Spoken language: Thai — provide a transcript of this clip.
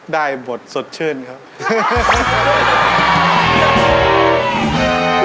ได้บทสดชื่นครับ